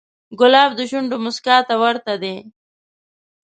ګلاب د شونډو موسکا ته ورته دی.